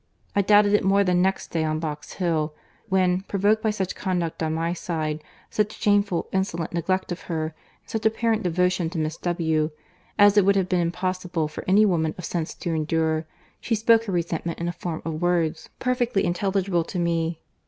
I doubted it more the next day on Box Hill; when, provoked by such conduct on my side, such shameful, insolent neglect of her, and such apparent devotion to Miss W., as it would have been impossible for any woman of sense to endure, she spoke her resentment in a form of words perfectly intelligible to me.